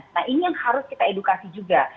nah ini yang harus kita edukasi juga